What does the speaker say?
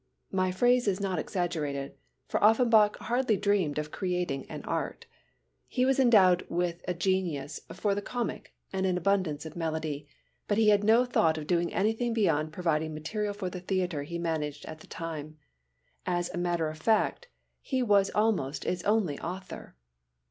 My phrase is not exaggerated, for Offenbach hardly dreamed of creating an art. He was endowed with a genius for the comic and an abundance of melody, but he had no thought of doing anything beyond providing material for the theatre he managed at the time. As a matter of fact he was almost its only author.